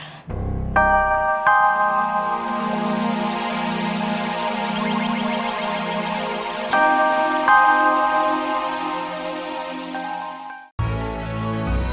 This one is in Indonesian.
bersambungkan kamu bisa teman teman